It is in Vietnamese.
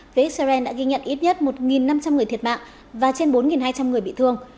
phía israel đã ghi nhận ít nhất một năm trăm linh người thiệt mạng và trên bốn hai trăm linh người bị thương